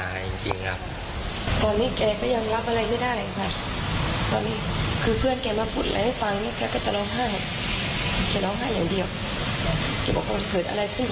เกี่ยวกับว่าเคยถึงอะไรขึ้นตรงนี้